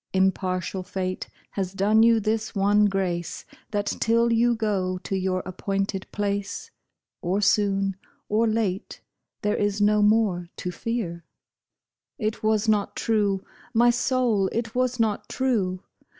Impartial fate has done you this one grace, That till you go to your appointed place. Or soon or late, there is no more to fear." It was not true, my soul ! it was not true !